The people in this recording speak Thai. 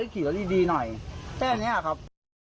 ขี่รถดีหน่อยแก้แน่ครับ